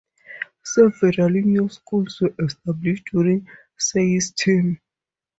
Several new schools were established during Seay's term.